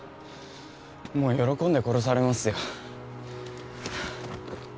もう喜んで殺されますよ